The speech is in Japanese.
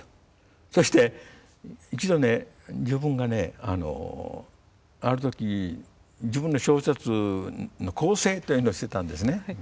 そして一度ね自分がねあるとき自分の小説の校正というのをしてたんですね。